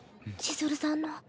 千鶴さんの。